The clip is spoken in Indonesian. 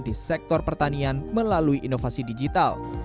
di sektor pertanian melalui inovasi digital